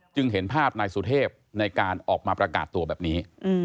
เห็นภาพนายสุเทพในการออกมาประกาศตัวแบบนี้